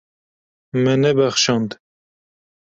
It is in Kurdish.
Me nebexşand.